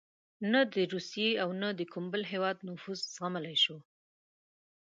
نه د روسیې او نه د کوم بل هېواد نفوذ زغملای شو.